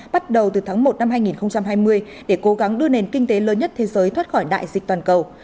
bắt đầu từ tháng một năm hai nghìn hai mươi để cố gắng đưa nền kinh tế lớn nhất thế giới thoát khỏi đại dịch toàn cầu